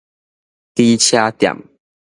機車店